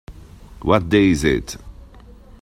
What day is it?